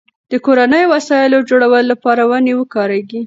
د کورنیو وسایلو جوړولو لپاره ونې کارېږي.